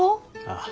ああ。